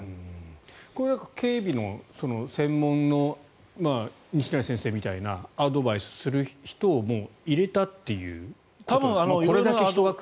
これは警備の専門の西成先生みたいなアドバイスする人をもう入れたということですか？